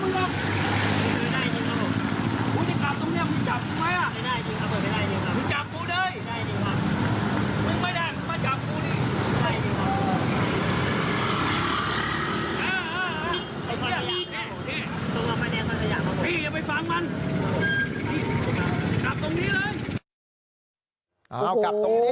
ดึงไม่ได้ถึงมาจากกูนี้